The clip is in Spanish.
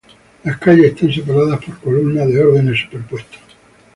Las calles están separadas por columnas de órdenes superpuestos.